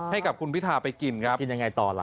ให้กับคุณพิทาไปกินครับกินยังไงต่อล่ะ